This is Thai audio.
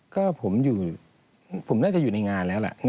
ก็ผมอยู่ผมน่าจะอยู่ในงานแล้วล่ะ